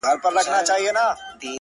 څه عجيبه جوارگر دي اموخته کړم؛